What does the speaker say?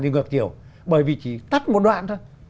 đi ngược chiều bởi vì chỉ tắt một đoạn thôi